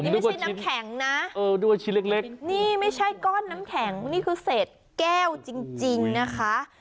นี่ไม่ใช่น้ำแข็งนะนี่ไม่ใช่ก้อนน้ำแข็งนี่คือเศษแก้วจริงนะคะ